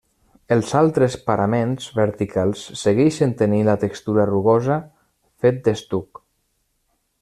Els altres paraments verticals segueixen tenint la textura rugosa, fet d'estuc.